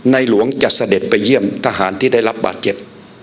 หลวงจะเสด็จไปเยี่ยมทหารที่ได้รับบาดเจ็บ